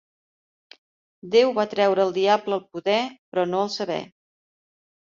Déu va treure al diable el poder, però no el saber.